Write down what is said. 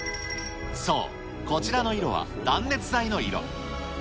そう、こちらの色は断熱材の色。